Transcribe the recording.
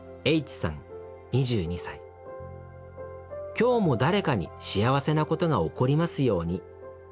「今日も誰かに幸せなことが起こりますように。